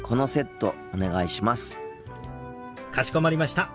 かしこまりました。